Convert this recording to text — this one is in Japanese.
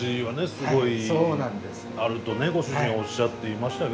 すごいあるとねご主人はおっしゃっていましたけども。